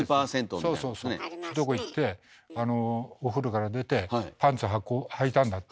そうそうそういうとこ行ってお風呂から出てパンツはいたんだって。